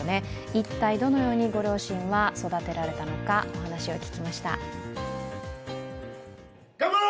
一体どのようにご両親は育てられたのか、お話を聞きました。